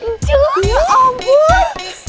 maaf bingung ya bu cucu